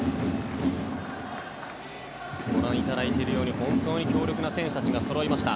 ご覧いただいているように本当に強力な選手たちがそろいました。